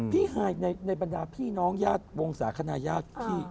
พี่หายในปัญหาพี่น้องญาติวงศาขนายาท